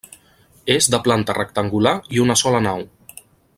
És de planta rectangular i una sola nau.